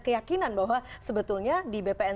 keyakinan bahwa sebetulnya di bpn